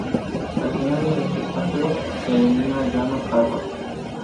Al final del espectáculo, se elimina a Joana Parra.